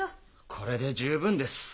これで十分です。